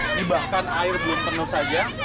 ini bahkan air belum penuh saja